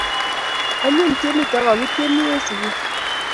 Anyiny tyenitok kakityenei eng' sukul.